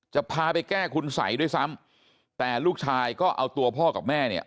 จะพาไปแก้คุณสัยด้วยซ้ำแต่ลูกชายก็เอาตัวพ่อกับแม่เนี่ย